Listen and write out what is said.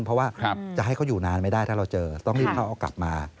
เพราะว่าจะให้เขาอยู่นานไม่ได้ถ้าเราเจอต้องรีบเขาเอากลับมา